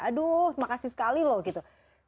aduh makasih sekali loh gitu